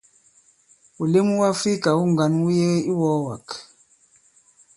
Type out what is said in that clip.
Wùlem wu Àfrikà wu ŋgǎn wu yebe i iwɔ̄ɔwàk.